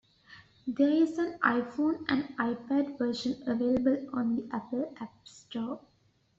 There is an iPhone and iPad version available on the Apple App Store.